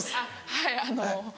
はいあの。